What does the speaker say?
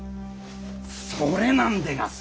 それなんでがすよ！